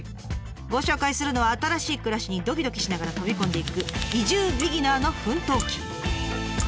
ご紹介するのは新しい暮らしにドキドキしながら飛び込んでいく移住ビギナーの奮闘記。